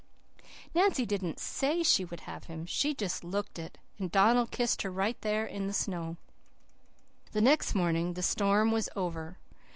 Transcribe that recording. "Nancy didn't SAY she would have him. She just LOOKED it, and Donald kissed her right there in the snow. "The next morning the storm was over.